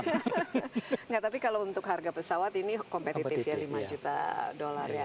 enggak tapi kalau untuk harga pesawat ini kompetitif ya lima juta dolar ya